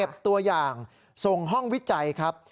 ตัวอย่างส่งห้องวิจัยครับ